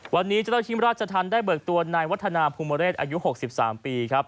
วันนี้เจ้าหน้าที่ราชธรรมได้เบิกตัวนายวัฒนาภูมิเศษอายุ๖๓ปีครับ